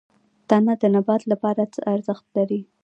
تنه د نبات لپاره څه ارزښت لري؟